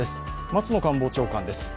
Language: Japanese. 松野官房長官です。